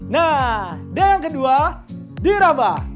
nah dan yang kedua dirabah